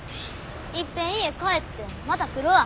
いっぺん家帰ってまた来るわ。